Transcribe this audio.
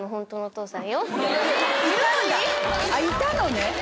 いたのね。